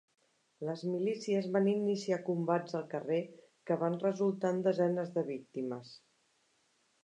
Les milícies van iniciar combats al carrer que van resultar en desenes de víctimes.